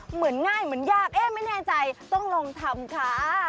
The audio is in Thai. เหมือนง่ายเหมือนยากเอ๊ะไม่แน่ใจต้องลองทำค่ะ